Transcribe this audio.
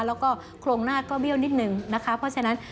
แล้วก็โครงหน้าก็เบี้ยวนิดนึงนะคะเพราะฉะนั้น